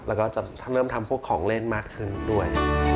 แล้วก็จะเริ่มทำพวกของเล่นมากขึ้นด้วย